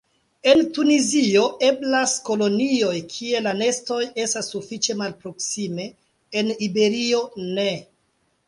En Tunizio eblas kolonioj kie la nestoj estas sufiĉe malproksime; en Iberio ne.